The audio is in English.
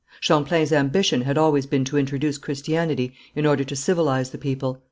Champlain's ambition had always been to introduce Christianity in order to civilize the people.